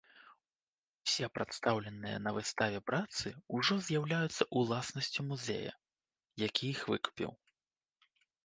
Усё прадстаўленыя на выставе працы ўжо з'яўляюцца ўласнасцю музея, які іх выкупіў.